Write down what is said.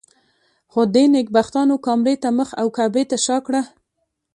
خو دې نېکبختانو کامرې ته مخ او کعبې ته شا کړه.